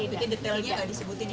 tidak detailnya tidak disebutin iya